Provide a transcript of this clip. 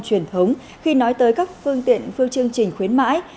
truyền thống khi nói tới các phương tiện phương chương trình khuyến mãi